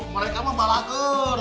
mereka mah balaker